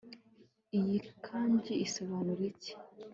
Iyi kanji isobanura iki